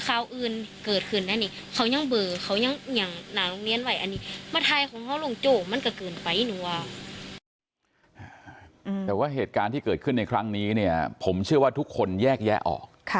แต่ว่าเหตุการณ์ที่เกิดขึ้นในครั้งนี้เนี่ยผมเชื่อว่าทุกคนแยกแยะออก